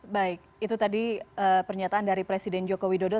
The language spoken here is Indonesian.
baik itu tadi pernyataan dari presiden joko widodo